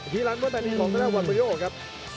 พีรันเมื่อแผ่นดินของซาด้าวันวิโรครับ